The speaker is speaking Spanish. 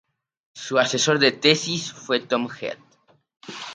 Su asesor de tesis fue Tom Head.